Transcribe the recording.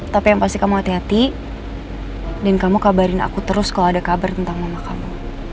tapi yang pasti kamu hati hati dan kamu kabarin aku terus kalau ada kabar tentang mama kamu